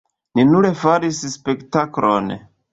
Ni nur faris spektaklon".